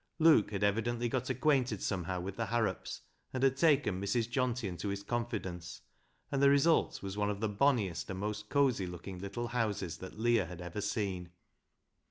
Luke had evidently got acquainted somehow with the Harrops, and had taken Mrs. Johnty into his confidence, and the result was one of the bonniest and most cosy looking little houses that Leah had ever seen.